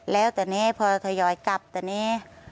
แล้วแต่นี้พอทยอยกลับตอนนี้